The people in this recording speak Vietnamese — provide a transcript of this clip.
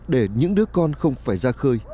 để những đứa con không phải ra khơi